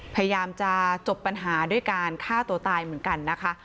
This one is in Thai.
พยายามจะจบปัญหาด้วยการฆ่าตัวตายเหมือนกันนะคะ